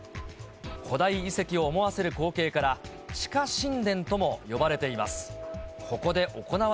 古代遺跡を思わせる光景から、地下神殿とも呼ばれています。